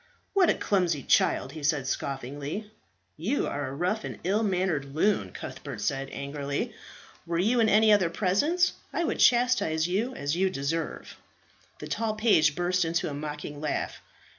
"What a clumsy child!" he said scoffingly. "You are a rough and ill mannered loon," Cuthbert said angrily. "Were you in any other presence I would chastise you as you deserve." The tall page burst into a mocking laugh.